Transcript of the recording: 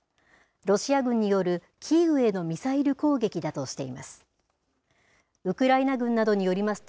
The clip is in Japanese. ロシア軍によるキーウへのミサイル攻撃だとしています。